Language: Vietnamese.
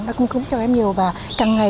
đã cung cấp cho em nhiều và càng ngày